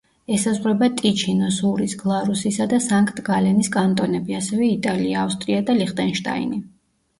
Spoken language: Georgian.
ესაზღვრება ტიჩინოს, ურის, გლარუსისა და სანქტ-გალენის კანტონები, ასევე იტალია, ავსტრია და ლიხტენშტაინი.